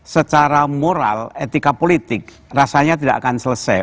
secara moral etika politik rasanya tidak akan selesai